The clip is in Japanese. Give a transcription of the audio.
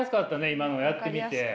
今のやってみて。